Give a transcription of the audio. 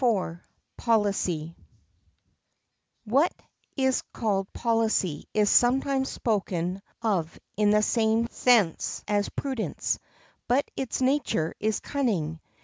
] What is called policy is sometimes spoken of in the same sense as prudence, but its nature is cunning.